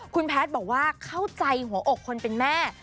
คุณแพทย์บอกว่าเข้าใจหัวอกคนเป็นแม่